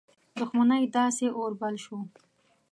دښمنۍ داسي اور بل شو.